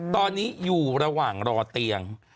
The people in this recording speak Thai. ตอนนี้อยู่ระหว่างรอเตียง